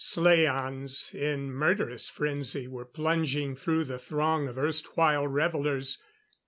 Slaans in murderous frenzy were plunging through the throng of erstwhile revelers.